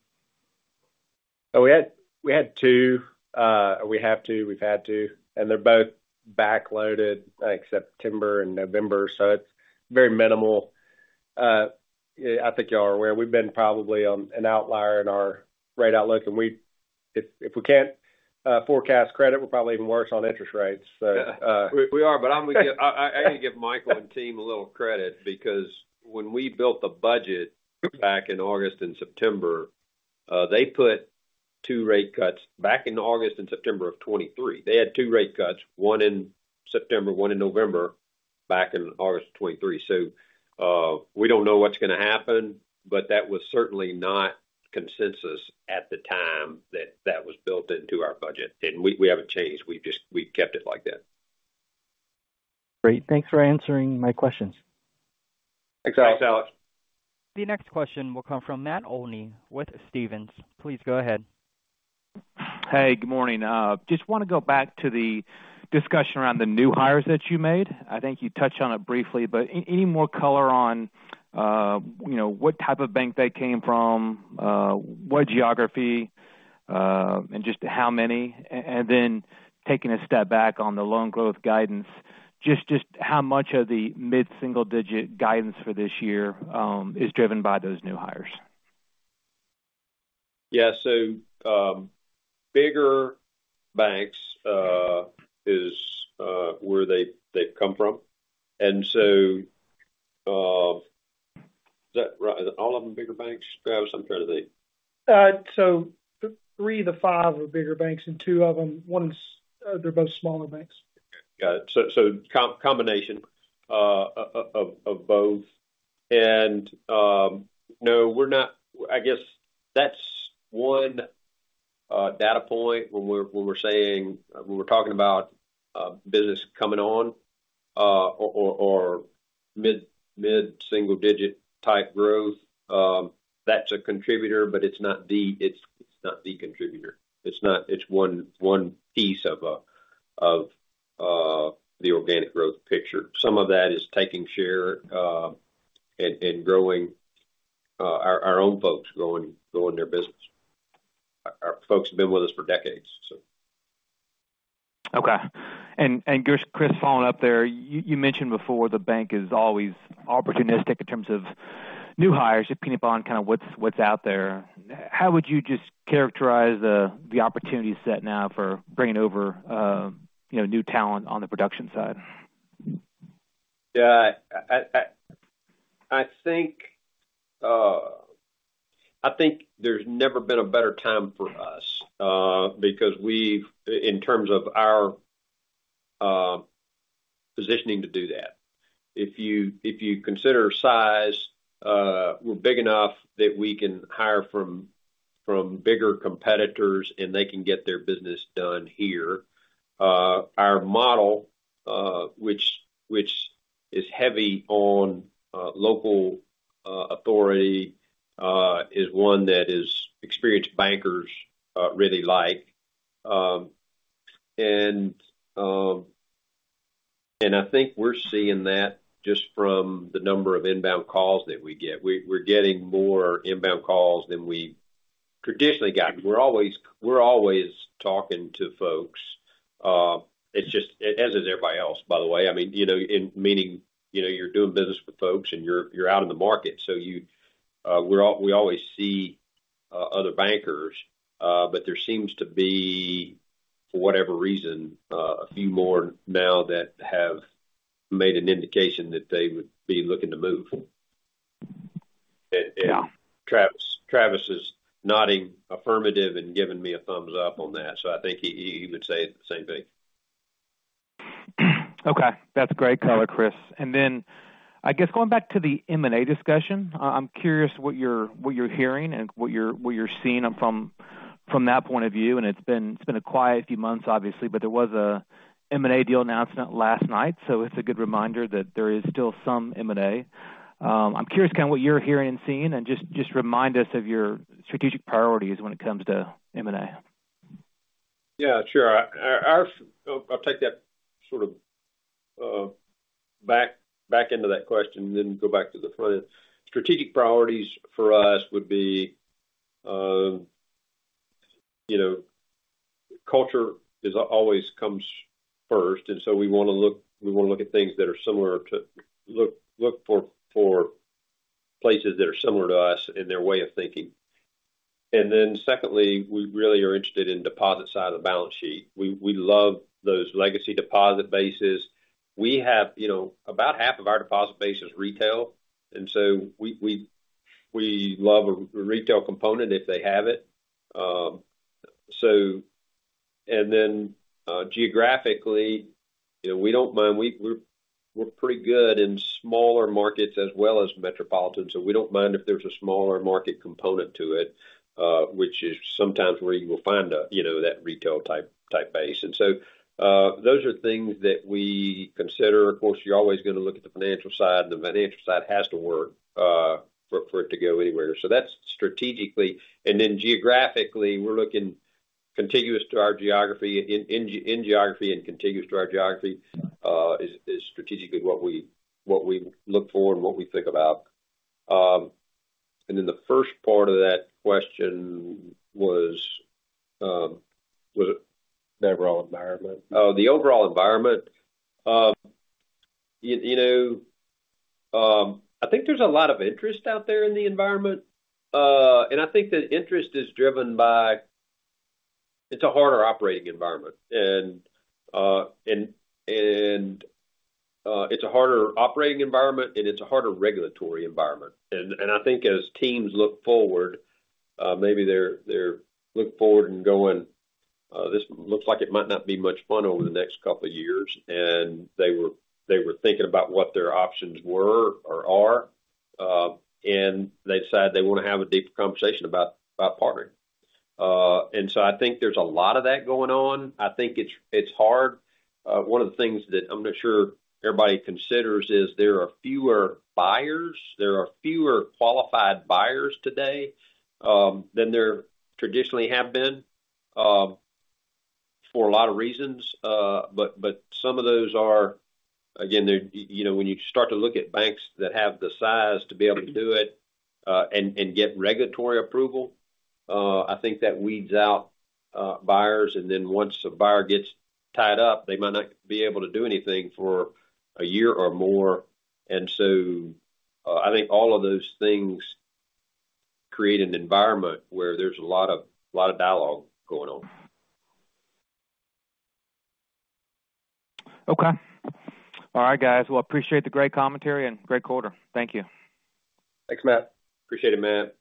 Oh, we had two. We have two. We've had two. And they're both backloaded except September and November. So it's very minimal. I think y'all are aware. We've been probably an outlier in our rate outlook. And if we can't forecast credit, we're probably even worse on interest rates, so. We are. But I'm going to give Michael and team a little credit because when we built the budget back in August and September, they put two rate cuts back in August and September of 2023. They had two rate cuts, one in September, one in November back in August of 2023. So we don't know what's going to happen, but that was certainly not consensus at the time that that was built into our budget. And we haven't changed. We've kept it like that. Great. Thanks for answering my questions. Thanks, Alex. Thanks, Alex. The next question will come from Matt Olney with Stephens. Please go ahead. Hey. Good morning. Just want to go back to the discussion around the new hires that you made. I think you touched on it briefly, but any more color on what type of bank they came from, what geography, and just how many? And then taking a step back on the loan growth guidance, just how much of the mid-single-digit guidance for this year is driven by those new hires? Yeah. So bigger banks is where they've come from. So is that right? Is all of them bigger banks? Travis, I'm trying to think. Three-five are bigger banks. two of them, one is, they're both smaller banks. Got it. So combination of both. And no, we're not I guess that's one data point when we're talking about business coming on or mid-single-digit type growth, that's a contributor, but it's not the contributor. It's one piece of the organic growth picture. Some of that is taking share and growing our own folks growing their business. Our folks have been with us for decades, so. Okay. And Chris, following up there, you mentioned before the bank is always opportunistic in terms of new hires, just keeping up on kind of what's out there. How would you just characterize the opportunity set now for bringing over new talent on the production side? Yeah. I think there's never been a better time for us because we've in terms of our positioning to do that. If you consider size, we're big enough that we can hire from bigger competitors, and they can get their business done here. Our model, which is heavy on local authority, is one that experienced bankers really like. And I think we're seeing that just from the number of inbound calls that we get. We're getting more inbound calls than we traditionally got. We're always talking to folks. It's just as is everybody else, by the way. I mean, meaning you're doing business with folks, and you're out in the market. So we always see other bankers, but there seems to be, for whatever reason, a few more now that have made an indication that they would be looking to move. And Travis is nodding affirmative and giving me a thumbs up on that. So I think he would say the same thing. Okay. That's great color, Chris. Then I guess going back to the M&A discussion, I'm curious what you're hearing and what you're seeing from that point of view. And it's been a quiet few months, obviously, but there was an M&A deal announcement last night. So it's a good reminder that there is still some M&A. I'm curious kind of what you're hearing and seeing and just remind us of your strategic priorities when it comes to M&A. Yeah. Sure. I'll take that sort of back into that question and then go back to the front end. Strategic priorities for us would be culture always comes first. And so we want to look at things that are similar to look for places that are similar to us in their way of thinking. And then secondly, we really are interested in deposit side of the balance sheet. We love those legacy deposit bases. We have about half of our deposit base is retail. And so we love a retail component if they have it. And then geographically, we don't mind. We're pretty good in smaller markets as well as metropolitan. So we don't mind if there's a smaller market component to it, which is sometimes where you will find that retail-type base. And so those are things that we consider. Of course, you're always going to look at the financial side. The financial side has to work for it to go anywhere. That's strategically. Geographically, we're looking contiguous to our geography. In geography and contiguous to our geography is strategically what we look for and what we think about. The first part of that question was. The overall environment. Oh, the overall environment. I think there's a lot of interest out there in the environment. And I think the interest is driven by it's a harder operating environment. And it's a harder operating environment, and it's a harder regulatory environment. And I think as teams look forward, maybe they're looking forward and going, "This looks like it might not be much fun over the next couple of years." And they were thinking about what their options were or are. And they decided they want to have a deeper conversation about partnering. And so I think there's a lot of that going on. I think it's hard. One of the things that I'm not sure everybody considers is there are fewer buyers. There are fewer qualified buyers today than there traditionally have been for a lot of reasons. But some of those are, again, when you start to look at banks that have the size to be able to do it and get regulatory approval, I think that weeds out buyers. And then once a buyer gets tied up, they might not be able to do anything for a year or more. And so I think all of those things create an environment where there's a lot of dialogue going on. Okay. All right, guys. Well, appreciate the great commentary and great quarter. Thank you. Thanks, Matt. Appreciate it, Matt.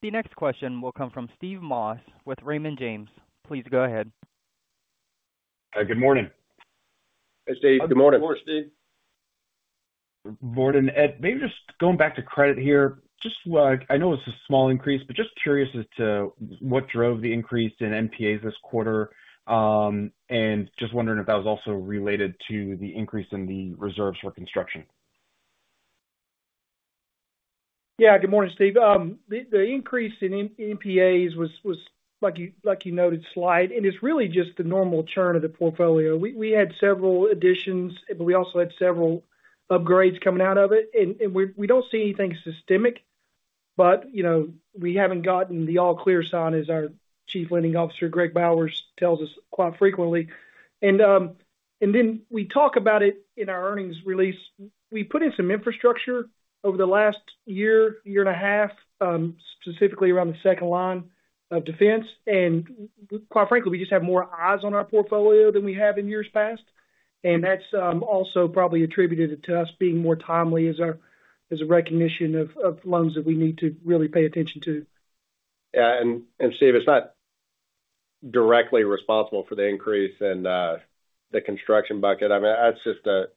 The next question will come from Steve Moss with Raymond James. Please go ahead. Hey. Good morning. Hey, Steve. Good morning. How's it going, Stephen? Gordon, maybe just going back to credit here. I know it's a small increase, but just curious as to what drove the increase in NPAs this quarter and just wondering if that was also related to the increase in the reserves for construction. Yeah. Good morning, Stephen. The increase in NPAs was, like you noted, slight. And it's really just the normal churn of the portfolio. We had several additions, but we also had several upgrades coming out of it. And we don't see anything systemic, but we haven't gotten the all-clear sign, as our Chief Lending Officer, Greg Bowers, tells us quite frequently. And then we talk about it in our earnings release. We put in some infrastructure over the last year, year and a half, specifically around the second line of defense. And quite frankly, we just have more eyes on our portfolio than we have in years past. And that's also probably attributed to us being more timely as a recognition of loans that we need to really pay attention to. Yeah. And Stephen, it's not directly responsible for the increase in the construction bucket. I mean, that's just a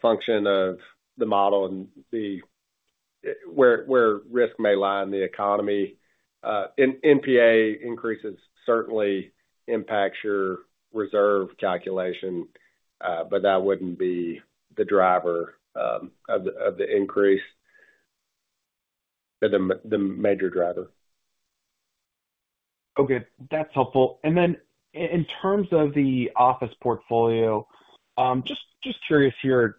function of the model and where risk may lie in the economy. NPA increases certainly impact your reserve calculation, but that wouldn't be the driver of the increase, the major driver. Okay. That's helpful. And then in terms of the office portfolio, just curious here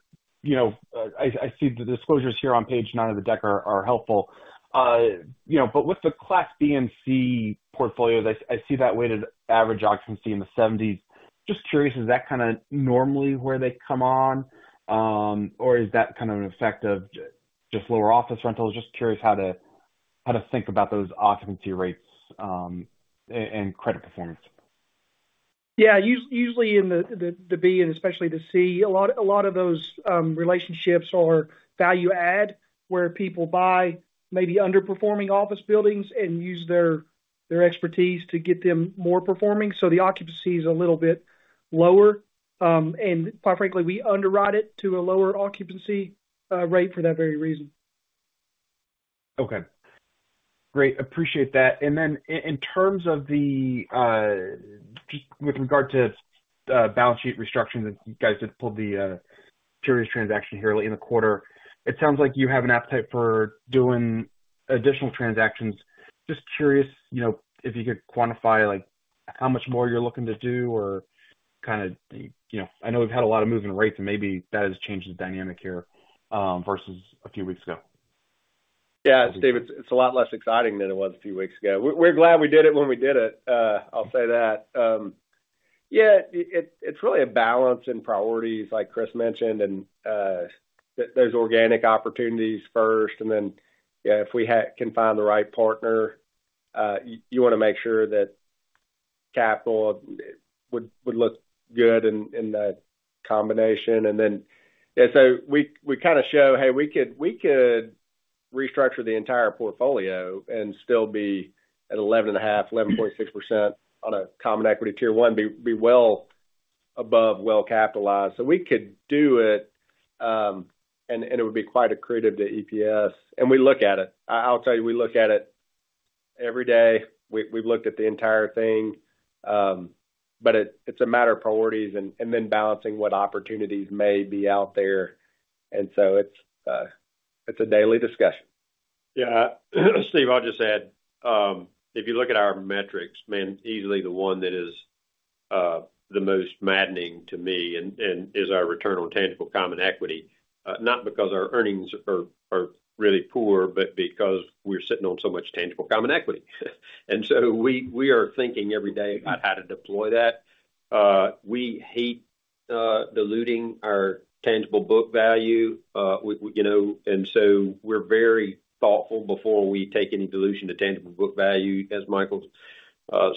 I see the disclosures here on page nine of the deck are helpful. But with the Class B and C portfolios, I see that weighted average occupancy in the 70s. Just curious, is that kind of normally where they come on, or is that kind of an effect of just lower office rentals? Just curious how to think about those occupancy rates and credit performance. Yeah. Usually in the B and especially the C, a lot of those relationships are value-add where people buy maybe underperforming office buildings and use their expertise to get them more performing. So the occupancy is a little bit lower. And quite frankly, we underwrite it to a lower occupancy rate for that very reason. Okay. Great. Appreciate that. And then in terms of just with regard to balance sheet restructuring, you guys did pull the securities transaction here late in the quarter. It sounds like you have an appetite for doing additional transactions. Just curious if you could quantify how much more you're looking to do or kind of I know we've had a lot of moving rates, and maybe that has changed the dynamic here versus a few weeks ago. Yeah. Stephen, it's a lot less exciting than it was a few weeks ago. We're glad we did it when we did it. I'll say that. Yeah. It's really a balance in priorities, like Chris mentioned. And there's organic opportunities first. And then if we can find the right partner, you want to make sure that capital would look good in the combination. And then yeah. So we kind of show, "Hey, we could restructure the entire portfolio and still be at 11.5%-11.6% on a Common Equity Tier 1, be well above, well capitalized." So we could do it, and it would be quite accretive to EPS. And we look at it. I'll tell you, we look at it every day. We've looked at the entire thing. But it's a matter of priorities and then balancing what opportunities may be out there. And so it's a daily discussion. Yeah. Steve, I'll just add. If you look at our metrics, man, easily the one that is the most maddening to me is our return on tangible common equity, not because our earnings are really poor, but because we're sitting on so much tangible common equity. And so we are thinking every day about how to deploy that. We hate diluting our tangible book value. And so we're very thoughtful before we take any dilution to tangible book value, as Michael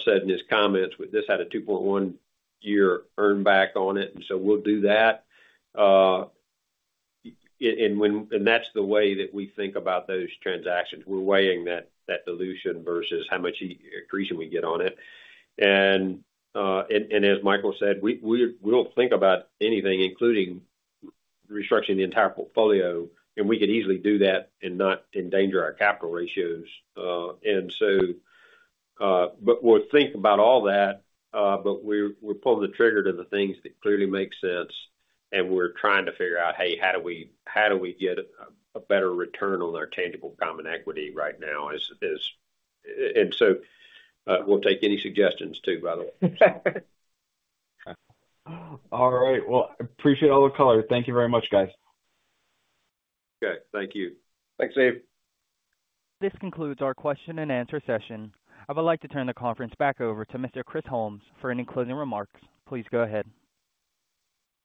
said in his comments, "We just had a 2.1-year earnback on it. And so we'll do that." And that's the way that we think about those transactions. We're weighing that dilution versus how much accretion we get on it. And as Michael said, we'll think about anything, including restructuring the entire portfolio. And we could easily do that and not endanger our capital ratios. We'll think about all that, but we're pulling the trigger to the things that clearly make sense. We're trying to figure out, "Hey, how do we get a better return on our tangible common equity right now?" So we'll take any suggestions too, by the way. Okay. All right. Well, I appreciate all the color. Thank you very much, guys. Okay. Thank you. Thanks, Steve. This concludes our question-and-answer session. I would like to turn the conference back over to Mr. Chris Holmes for any closing remarks. Please go ahead.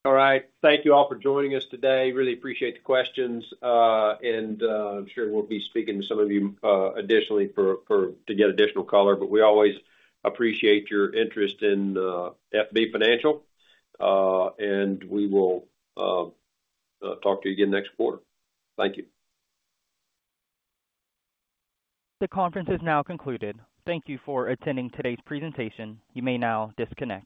All right. Thank you all for joining us today. Really appreciate the questions. And I'm sure we'll be speaking to some of you additionally to get additional color. But we always appreciate your interest in FB Financial. And we will talk to you again next quarter. Thank you. The conference is now concluded. Thank you for attending today's presentation. You may now disconnect.